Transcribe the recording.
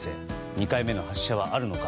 ２回目の発射はあるのか。